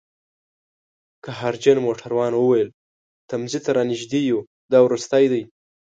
قهرجن موټروان وویل: تمځي ته رانژدي یوو، دا وروستی دی